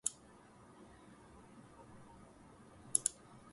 What kinds of traffic problems does your city have?